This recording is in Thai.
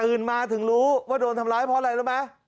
มาถึงรู้ว่าโดนทำร้ายเพราะอะไรรู้ไหม